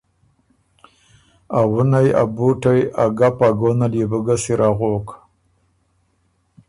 ا وُنئ، ا بُوټئ، ا ګپ ا ګون ال يې بوګۀ سِر اغوک۔